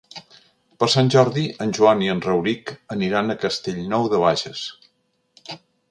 Per Sant Jordi en Joan i en Rauric aniran a Castellnou de Bages.